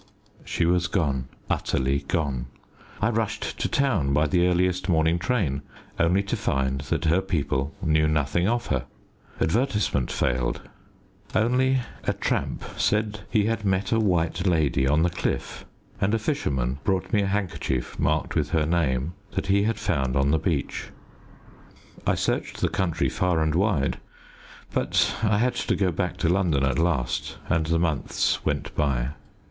She was gone, utterly gone. I rushed to town by the earliest morning train, only to find that her people knew nothing of her. Advertisement failed. Only a tramp said he had met a white lady on the cliff, and a fisherman brought me a handkerchief marked with her name that he had found on the beach. I searched the country far and wide, but I had to go back to London at last, and the months went by.